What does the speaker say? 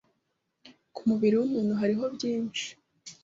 ku mubiri w’umuntu hariho byinshi